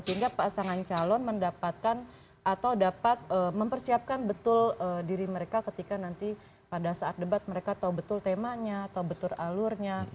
sehingga pasangan calon mendapatkan atau dapat mempersiapkan betul diri mereka ketika nanti pada saat debat mereka tahu betul temanya atau betul alurnya